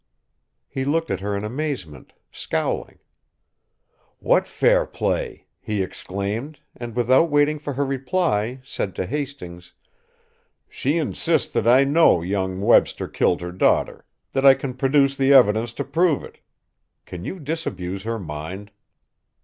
He looked at her in amazement, scowling. "What fair play?" he exclaimed, and, without waiting for her reply, said to Hastings: "She insists that I know young Webster killed her daughter, that I can produce the evidence to prove it. Can you disabuse her mind?"